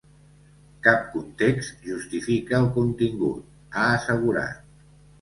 Cap context justifica el contingut, ha assegurat.